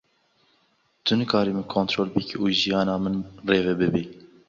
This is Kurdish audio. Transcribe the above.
Tu nikarî min kontrol bikî û jiyana min bi rê ve bibî.